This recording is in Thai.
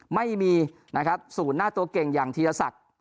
ไม่มีสูตรหน้าตัวเก่งอย่างธีรศักดิ์